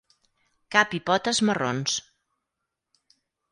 Cap i potes marrons.